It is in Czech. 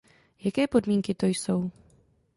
Jaké podmínky to jsou?